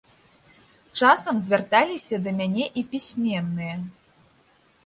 Часам звярталіся да мяне і пісьменныя.